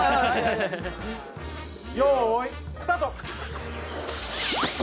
よいスタート！